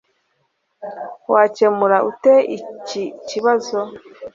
Wakemura ute iki kibazo?